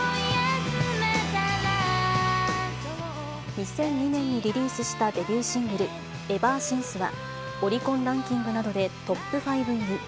２００２年にリリースしたデビューシングル、エバー・シンスは、オリコンランキングなどでトップ５入り。